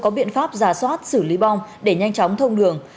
có biện pháp giả soát xử lý bom để nhanh chóng thông đường